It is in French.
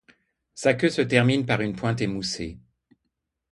Sa queue se termine par une pointe émoussée.